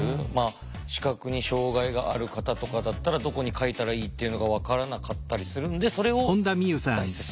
視覚に障害がある方とかだったらどこに書いたらいいっていうのが分からなかったりするんでそれを代筆する。